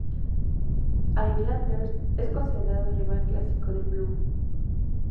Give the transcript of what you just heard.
Highlanders es considerado el rival clásico de Blues.